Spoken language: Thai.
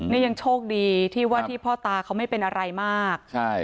นี่ยังโชคดีที่ว่าที่พ่อตาเขาไม่เป็นอะไรมากใช่